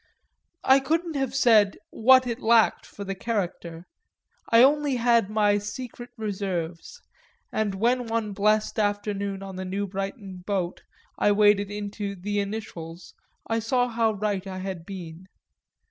I couldn't have said what it lacked for the character, I only had my secret reserves, and when one blest afternoon on the New Brighton boat I waded into The Initials I saw how right I had been.